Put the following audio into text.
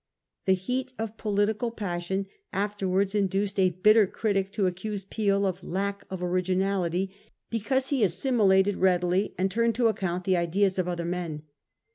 The heat of political passion afterwards induced a bitter critic to accuse Peel of lack of originality because he assi milated readily and turned to account the ideas of other men.